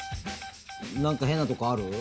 なんか変なところある？